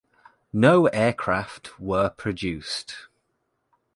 No aircraft were produced.